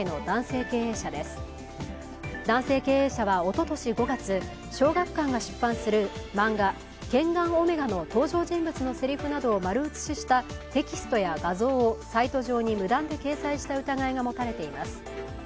男性経営者はおととし５月、小学館が出版する漫画「ケンガンオメガ」の登場人物のせりふなどを丸写ししたテキストや画像をサイト上に無断で掲載した疑いが持たれています。